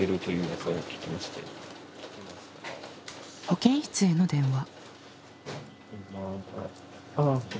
保健室への電話。